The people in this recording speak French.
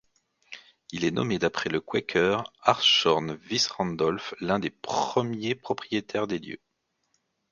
Il est nommé d'après le quaker Hartshorne Fitz-Randoplh, l'un des premiers propriétaires des lieux.